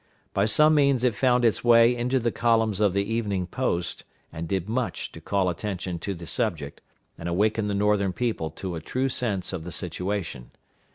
By some means it found its way into the columns of the Evening Post, and did much to call attention to the subject, and awaken the Northern people to a true sense of the situation.